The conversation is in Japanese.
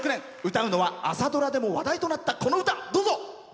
歌うのは朝ドラでも話題となったこの歌！